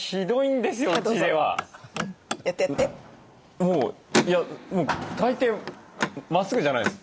もういやもう大抵まっすぐじゃないです。